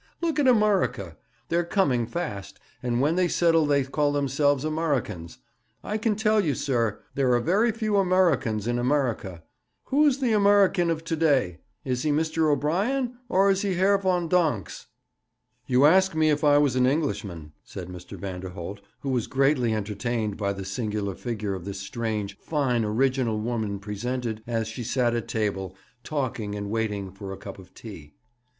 'Look at Amurrica. They're coming fast, and when they settle they call themselves Amurricans. I can tell you, sir, there are very few Amurricans in Amurrica. Who's the Amurrican of to day? Is he Mr. O'Brien, or is he Herr Von Dunks?' 'You asked me if I was an Englishman,' said Mr. Vanderholt, who was greatly entertained by the singular figure this strange, fine, original woman presented, as she sat at table, talking, and waiting for a cup of tea.